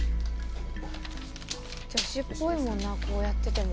助手っぽいもんなこうやってても。